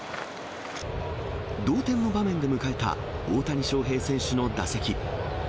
同点の場面で迎えた大谷翔平選手の打席。